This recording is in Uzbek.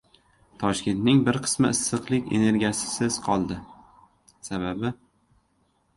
Toshkentning bir qismi issiqlik energiyasisiz qoldi. Sababi...